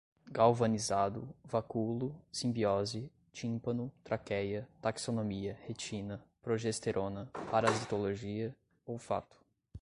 galvanizado, vacúolo, simbiose, tímpano, traqueia, taxonomia, retina, progesterona, parasitologia, olfato